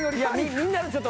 みんなでちょっと。